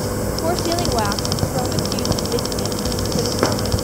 Before sealing wax, the Romans used bitumen for this purpose.